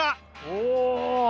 お！